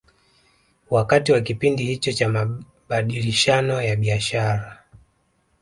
Wakati wa kipindi hicho cha mabadilishano ya biashara